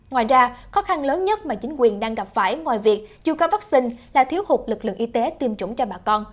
ngoài ra khó khăn lớn nhất mà chính quyền đang gặp phải ngoài việc dù có vaccine là thiếu hụt lực lượng y tế tiêm chủng cho bà con